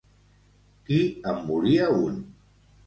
Qui en volia un?